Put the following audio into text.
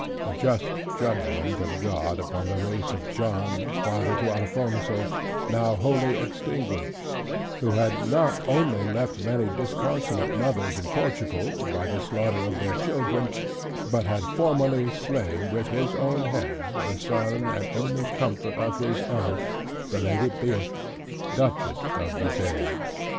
A just judgment of God upon the race of John, father to Alphonso, now wholly extinguished; who had not only left many disconsolate mothers in Portugal, by the slaughter of their children; but had formerly slain with his own hand, the son and only comfort of his aunt the Lady Beatrix, Duchess of Viseo.